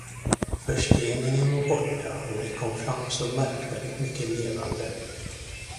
Försteningen var borta, och det kom fram så märkvärdigt mycket levande.